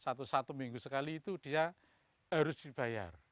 satu satu minggu sekali itu dia harus dibayar